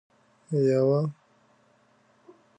یوه